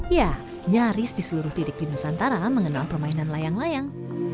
ya nyaris di seluruh titik di nusantara mengenal permainan layang layang